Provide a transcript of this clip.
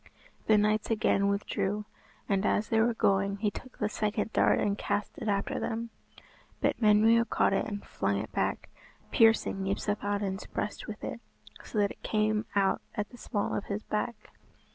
The knights again withdrew, and as they were going he took the second dart and cast it after them. But Menw caught it and flung it back, piercing Yspathaden's breast with it, so that it came out at the small of his back.